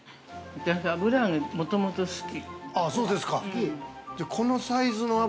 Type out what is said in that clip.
私、油揚げ、もともと好き。